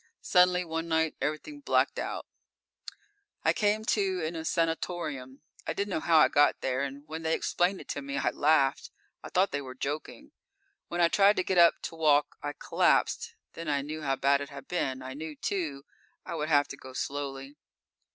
Suddenly, one night, everything blacked out._ _I came to in a sanatorium. I didn't know how I got there, and when they explained it to me, I laughed. I thought they were joking. When I tried to get up, to walk, I collapsed. Then I knew how bad it had been. I knew, too, I would have to go slowly.